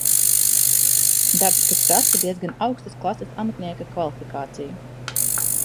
Darbs, kas prasa diezgan augstas klases amatnieka kvalifikāciju.